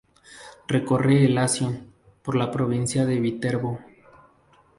Recorre el Lacio, por la provincia de Viterbo.